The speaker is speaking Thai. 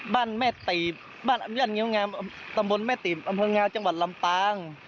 บ้านแม่ตีบบ้านอำนาจเงี้ยวงามตำบลแม่ตีบอำเภองาวจังหวัดลำปาง